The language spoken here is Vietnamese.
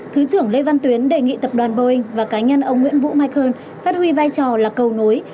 thứ trưởng lê văn tuyến đề nghị tập đoàn boeing và cá nhân ông nguyễn vũ mai cơn phát huy vai trò là cầu nối